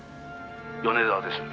「米沢です